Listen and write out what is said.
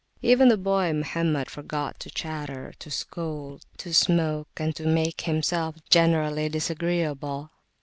Even the boy Mohammed forgot to chatter, to scold, to smoke, and to make himself generally disagreeable.